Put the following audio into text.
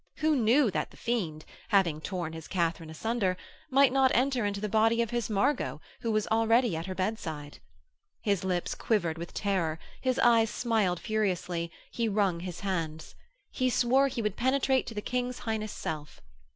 Who knew that the fiend, having torn his Katharine asunder, might not enter into the body of his Margot, who was already at her bedside? His lips quivered with terror, his eyes smiled furiously, he wrung his hands. He swore he would penetrate to the King's Highness' self.